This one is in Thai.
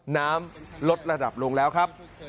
น้ำลดระดับลงแล้วครับ